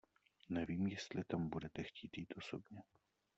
Nevím, jestli tam budete chtít jít osobně.